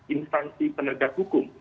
instansi penerja hukum